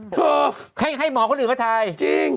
โธ่ข้างในให้หมอคนอื่นก็ท้ายจริง